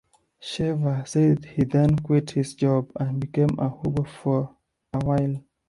Shaver said he then quit his job, and became a hobo for a while.